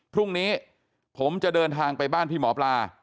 พรุ่งนี้ผมจะเดินทางไปบ้านพี่หมอปลา